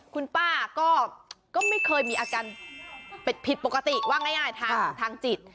คุณป้าก็ไม่เคยมีอาการผิดปกติว่าง่ายทางจิต